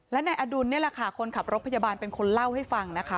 และนายอดุลนี่แหละค่ะคนขับรถพยาบาลเป็นคนเล่าให้ฟังนะคะ